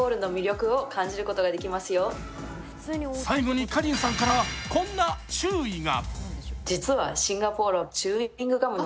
最後にかりんさんから、こんな注意が。